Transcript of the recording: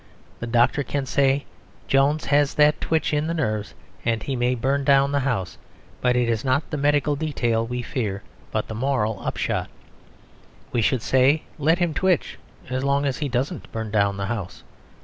The doctor can say, "Jones has that twitch in the nerves, and he may burn down the house." But it is not the medical detail we fear, but the moral upshot. We should say, "Let him twitch, as long as he doesn't burn down the house."